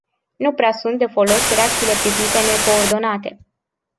Nu prea sunt de folos reacțiile pripite necoordonate.